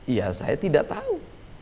ya saya tidak tahu